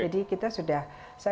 jadi kita sudah